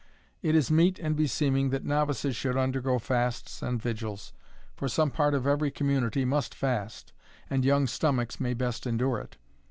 It is meet and beseeming that novices should undergo fasts and vigils; for some part of every community must fast, and young stomachs may best endure it.